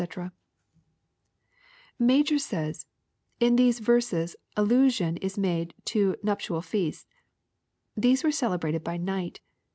] Major says, *' In these verses allusion is made to nuptial feasts. These were celebrated by night.